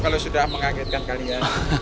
kalau sudah mengagetkan kalian